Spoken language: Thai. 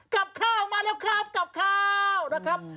กลับข้าวมาแล้วครับกลับข้าวนะครับ